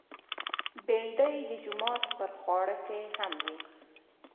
بېنډۍ د جومات پر خواړه کې هم وي